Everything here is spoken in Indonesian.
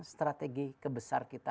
strategi kebesar kita